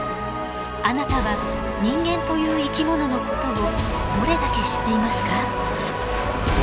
あなたは人間という生き物のことをどれだけ知っていますか？